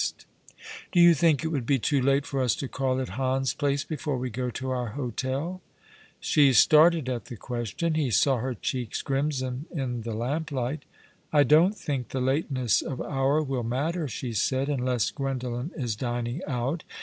^' Afy Life continues yours !^ 189 " Do you think it would be too late for us to call at Hans Place before we go to our hotel ?" She started at the question. He saw her cheeks crimson in the lamplight. " I don't think the lateness of hour will matter," she said, "unless Gwendolen is diniDg out.